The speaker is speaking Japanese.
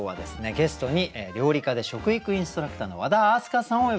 ゲストに料理家で食育インストラクターの和田明日香さんをお呼びしました。